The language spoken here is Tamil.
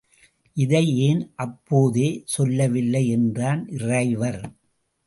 இதை ஏன் அப்போதே சொல்லவில்லை என்றான் டிரைவர்.